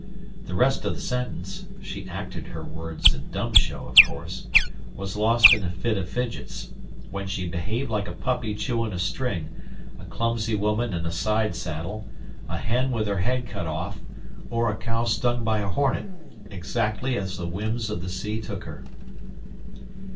The rest of the sentence (she acted her words in dumb show, of course) was lost in a fit of the fidgets, when she behaved like a puppy chewing a string, a clumsy woman in a side saddle, a hen with her head cut off, or a cow stung by a hornet, exactly as the whims of the sea took her.